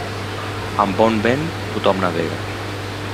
Amb bon vent, tothom navega.